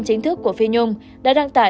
chính thức của phi nhung đã đăng tải